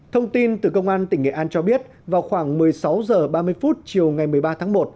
thông tin từ công an tỉnh nghệ an cho biết vào khoảng một mươi sáu h ba mươi chiều ngày một mươi ba tháng một